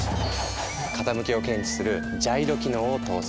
傾きを検知するジャイロ機能を搭載。